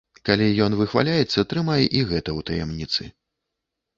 Калі ён выхваляецца, трымай і гэта ў таямніцы.